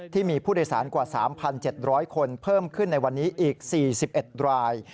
ที่มีผู้โดยสารกว่า๓๗๐๐คนเพิ่มขึ้นในวันนี้อีก๔๑ราย